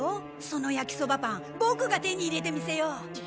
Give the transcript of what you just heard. その焼きそばパンボクが手に入れてみせよう。